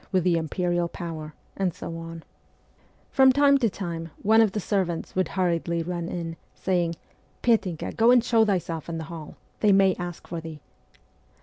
with the imperial power, and so on. 118 MEMOIRS OF A REVOLUTIONIST From time to time one of the servants would hur riedly run in, saying, ' Petinka, go and show thyself in the hall ; they may ask for thee.'